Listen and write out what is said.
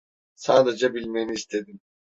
Sadece bilmeni istedim.